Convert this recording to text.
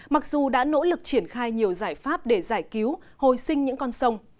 mặc dù đã nỗ lực triển khai nhiều giải pháp để giải cứu hồi sinh những con sông